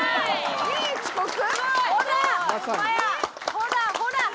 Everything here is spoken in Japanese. ほらほら！